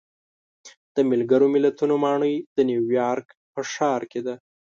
د ملګرو ملتونو ماڼۍ د نیویارک په ښار کې ده.